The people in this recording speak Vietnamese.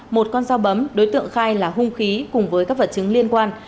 một con dao bấm đối tượng khai là hung khí cùng với các vật chứng liên quan